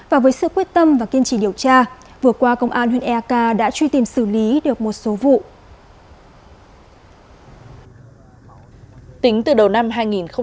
và với sự quyết tâm và kiên trì điều tra vừa qua công an huyện eak đã truy tìm xử lý được một số vụ